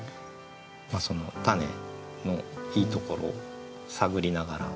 そのたねのいいところを探りながら。